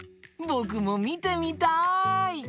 ぼくもみてみたい！